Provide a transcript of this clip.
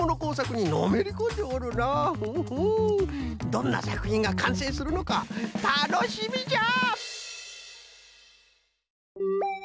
どんなさくひんがかんせいするのかたのしみじゃ！